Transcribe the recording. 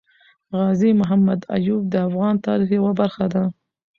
غازي محمد ايوب د افغان تاريخ يوه برخه ده